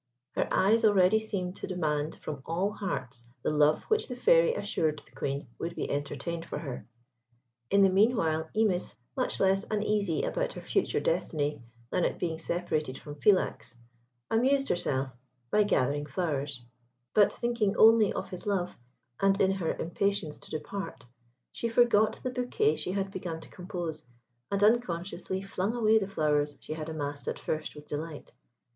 Her eyes already seemed to demand from all hearts the love which the Fairy assured the Queen would be entertained for her. In the meanwhile Imis, much less uneasy about her future destiny than at being separated from Philax, amused herself by gathering flowers; but thinking only of his love, and in her impatience to depart, she forgot the bouquet she had begun to compose, and unconsciously flung away the flowers she had amassed at first with delight.